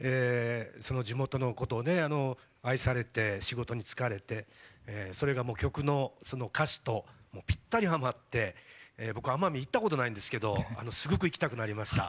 地元のことを愛されて仕事に就かれてそれが曲の歌詞とぴったりはまって僕、奄美行ったことないんですけどすごく行きたくなりました。